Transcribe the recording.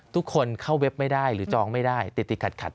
ทุกคนเข้าเว็บไม่ได้หรือจองไม่ได้ติดติดขัด